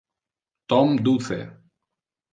Tom duce.